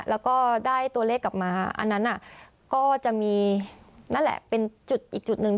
แล้วก็ได้ตัวเลขกลับมาอันนั้นก็จะมีนั่นแหละเป็นจุดอีกจุดหนึ่ง